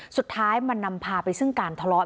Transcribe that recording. สุดท้ายมันนำพาไปซึ่งการทะเลาะ